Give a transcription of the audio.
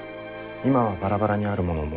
今はバラバラにあるものも。